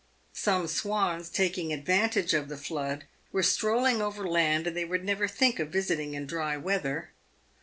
Some swans, taking advantage of the flood, were strolling over land they would never think of visiting in dry weather.